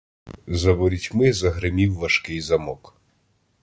За ворітьми загримів важкий замок.